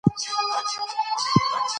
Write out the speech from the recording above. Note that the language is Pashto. خدمت باید دوامداره پاتې شي.